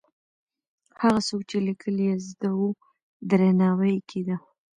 هغه څوک چې لیکل یې زده وو، درناوی یې کېده.